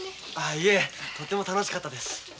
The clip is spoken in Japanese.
いえとても楽しかったです。